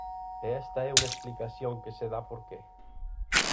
¿E esta é unha explicación que se dá por que?